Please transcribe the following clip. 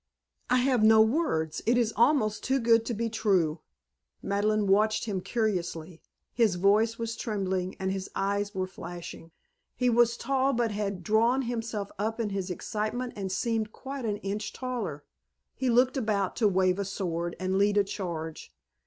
"I have no words! It is almost too good to be true!" Madeleine watched him curiously. His voice was trembling and his eyes were flashing. He was tall but had drawn himself up in his excitement and seemed quite an inch taller. He looked about to wave a sword and lead a charge.